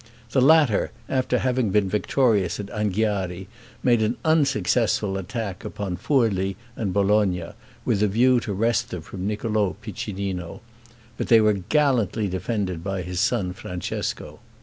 The latter, after having been victorious at Anghiari, made an unsuccessful attack upon Furli and Bologna, with a view to wrest them from Niccolo Piccinino; but they were gallantly defended by his son Francesco.